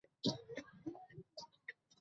তারা ওড়ার, অদৃশ্য হওয়ার কৌশল জানত।